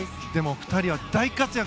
お二人は大活躍！